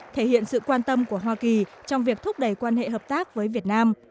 thể hiện sự quan tâm của hoa kỳ trong việc thúc đẩy quan hệ hợp tác với việt nam